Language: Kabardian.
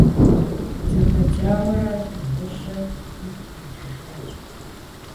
Зэбэдзауэурэ, дыгъужьыр игу къэкӏыжащ.